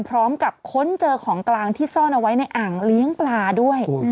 ค้นเจอของกลางที่ซ่อนเอาไว้ในอ่างเลี้ยงปลาด้วย